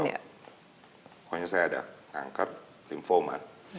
pokoknya saya ada ngangkat lymphoma